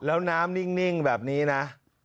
แล้วน้ำนิ่งแบบนี้นะ